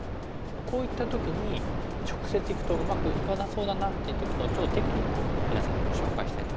こういった時に直接いくとうまくいかなそうだなっていう時のちょっとテクニックを皆さんにご紹介したいと思います。